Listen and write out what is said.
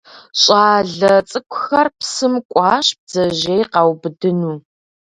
Щӏалэ цӏыкӏухэр псым кӏуащ бдзэжьей къаубыдыну.